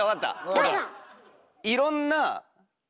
どうぞ！